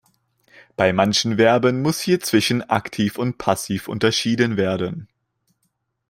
Bei manchen Verben muss hier zwischen Aktiv und Passiv unterschieden werden.